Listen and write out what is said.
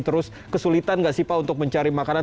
terus kesulitan gak sih pak untuk mencari makanan